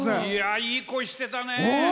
いい声してたね。